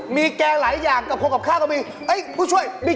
มีแกร่ลองใครก็บี